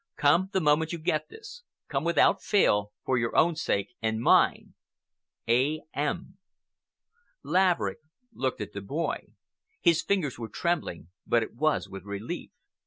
Come the moment you get this. Come without fail, for your own sake and mine. A. M. Laverick looked at the boy. His fingers were trembling, but it was with relief.